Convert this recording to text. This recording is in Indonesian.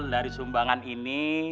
dari sumbangan ini